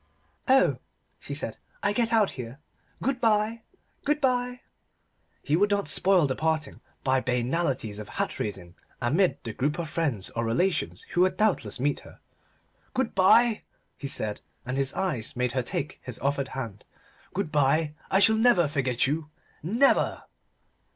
"Oh!" she said, "I get out here. Good bye, good bye." He would not spoil the parting by banalities of hat raising amid the group of friends or relations who would doubtless meet her. "Good bye," he said, and his eyes made her take his offered hand. "Good bye. I shall never forget you. Never!"